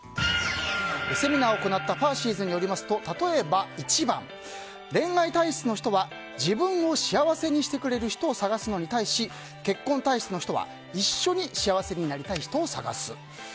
セミナーを行ったｐａｒｃｙ’ｓによりますと例えば、１番恋愛体質の人は自分を幸せにしてくれる人を探すのに対し、結婚体質の人は一緒に幸せになりたい人を探す。